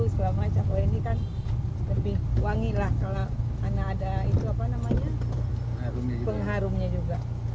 selama ini kan lebih wangi lah kalau ada pengharumnya juga